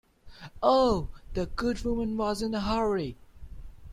Oh, the good woman was in a hurry!